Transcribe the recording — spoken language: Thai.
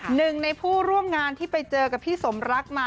หนึ่งในผู้ร่วมงานที่ไปเจอกับพี่สมรักมา